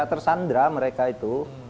disesara mereka itu